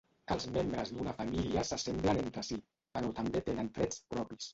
Els membres d'una família s'assemblen entre si, però també tenen trets propis.